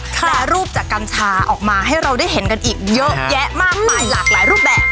แปรรูปจากกัญชาออกมาให้เราได้เห็นกันอีกเยอะแยะมากมายหลากหลายรูปแบบ